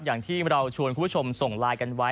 อย่างที่เราชวนคุณผู้ชมส่งไลน์กันไว้